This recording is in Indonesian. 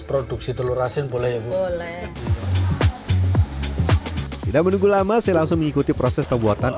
produksi telur asin boleh boleh tidak menunggu lama saya langsung mengikuti proses pembuatan